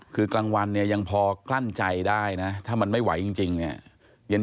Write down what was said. คือกลางวันเนี่ยยังพอกลั้นใจได้นะถ้ามันไม่ไหวจริงเนี่ยเย็น